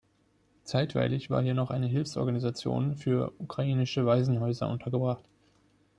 Zeitweilig war hier noch eine Hilfsorganisation für ukrainische Waisenhäuser untergebracht.